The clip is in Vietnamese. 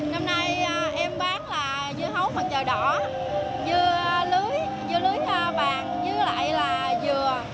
năm nay em bán là dưa hấu mặt trời đỏ dưa lưới bạc dưa lại là dừa